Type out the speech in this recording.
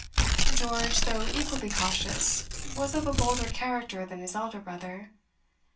George, though equally cautious, was of a bolder character than his elder brother.